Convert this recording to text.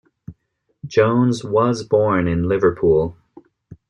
Jones was born in Liverpool.